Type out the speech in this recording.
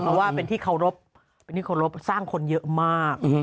เพราะว่าเป็นที่เคารพเป็นที่เคารพสร้างคนเยอะมาก